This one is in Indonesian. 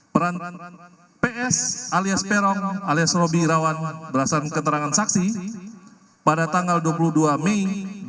peran ps alias perong alias robi rawan berdasarkan keterangan saksi pada tanggal dua puluh dua mei